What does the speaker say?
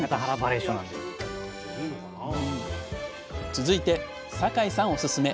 続いて酒井さんおすすめ！